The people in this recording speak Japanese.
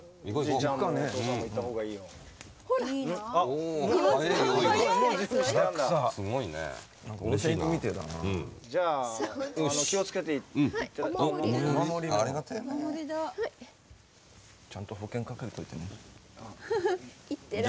ちゃんと保険かけといてね。